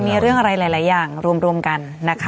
มีเรื่องอะไรหลายอย่างรวมกันนะคะ